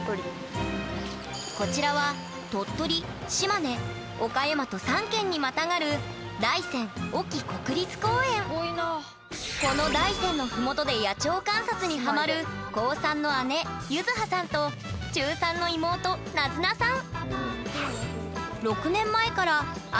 こちらは鳥取島根岡山と３県にまたがるこの大山の麓で野鳥観察にハマる高３の姉ゆずはさんと中３の妹なづなさん！